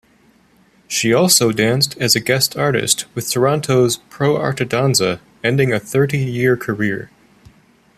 She also danced as a guest artist with Toronto's ProArteDanza ending a thirty-year career.